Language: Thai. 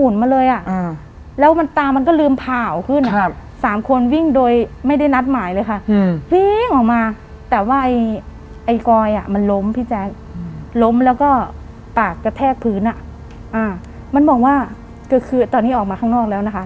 ล้มแล้วก็ปากกระแทกพื้นมันบอกว่าตอนนี้ออกมาข้างนอกแล้วนะคะ